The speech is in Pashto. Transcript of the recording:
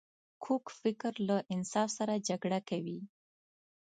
کوږ فکر له انصاف سره جګړه کوي